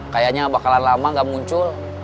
kayaknya bakalan lama gak muncul